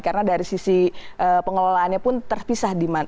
karena dari sisi pengelolaannya pun terpisah